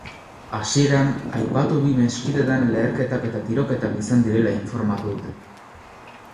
Hasieran, aipatu bi meskitetan leherketak eta tiroketak izan direla informatu dute.